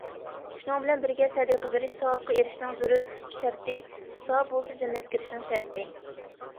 شۇنىڭ بىلەن بىرگە، سەدىقە بېرىش--- ساۋابقا ئېرىشىشنىڭ زۆرۈر شەرتى، ساۋاب بولسا جەننەتكە كىرىشنىڭ شەرتى.